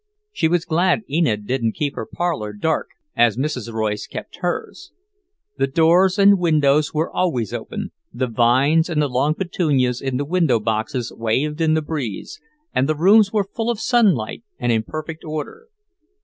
She was glad Enid didn't keep her parlour dark, as Mrs. Royce kept hers. The doors and windows were always open, the vines and the long petunias in the window boxes waved in the breeze, and the rooms were full of sunlight and in perfect order.